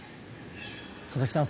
佐々木さん